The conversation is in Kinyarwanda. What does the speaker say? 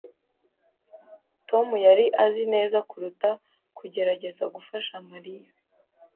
Tom yari azi neza kuruta kugerageza gufasha Mariya.